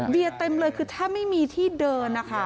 เต็มเลยคือถ้าไม่มีที่เดินนะคะ